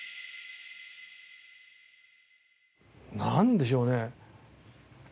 なんでしょうね。